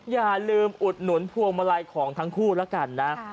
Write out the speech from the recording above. อย่าลืมอุดหนุนพวงมาลัยของทั้งคู่แล้วกันนะ